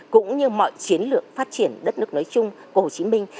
cũng như mọi chiến lược phát triển đất nước nói chung của hồ chí minh